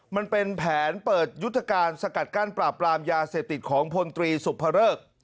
มันเป็นแผนเปิดยุทธการสกัดกั้นปราบปรามยาเสพติดของพลตรีสุภเริก